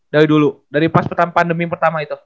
dari dulu dari pas pertama pandemi pertama itu